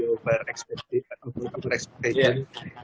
atau berpikir pikiran dengan kemungkinan